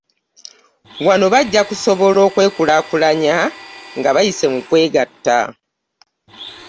Wano bajja kusobola okwekulaakulanya nga bayise mu kwegatta